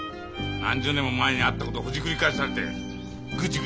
何十年も前にあったことをほじくり返されてグチグチグチグチよ。